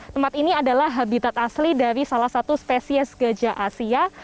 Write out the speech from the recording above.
tempat ini adalah habitat asli dari salah satu spesies gajah asia